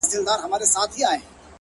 د لرې غږونو نرمه څپه د شپې برخه وي